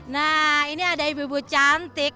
nah ini ada ibu ibu cantik